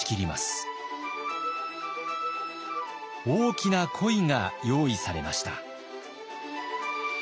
大きな鯉が用意されました。